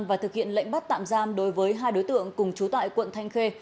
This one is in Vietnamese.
và thực hiện lệnh bắt tạm giam đối với hai đối tượng cùng chú tại quận thanh khê